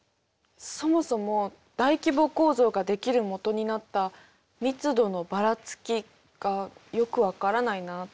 そもそも大規模構造が出来る元になった「密度のばらつき」がよく分からないなって。